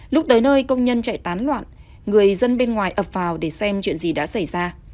lúc tới nơi công nhân chạy tán loạn người dân bên ngoài ập vào để xem chuyện gì đã xảy ra